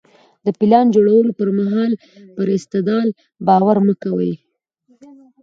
د پلان جوړولو پر مهال پر استدلال باور مه کوئ.